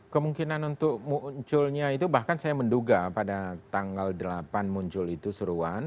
kemungkinan untuk munculnya itu bahkan saya menduga pada tanggal delapan muncul itu seruan